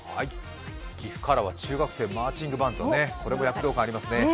岐阜からは中学生のマーチングバンドこれも躍動感ありますね。